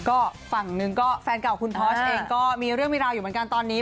ก็ฝั่งหนึ่งก็แฟนเก่าคุณพอร์ชเองก็มีเรื่องมีราวอยู่เหมือนกันตอนนี้